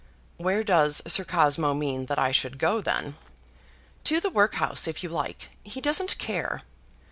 "Where does Sir Cosmo mean that I should go, then?" "To the workhouse, if you like. He doesn't care."